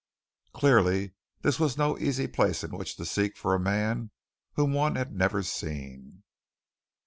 Clearly this was no easy place in which to seek for a man whom one had never seen!